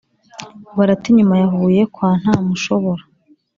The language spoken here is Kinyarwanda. barata inyuma ya huye kwa ntamushobora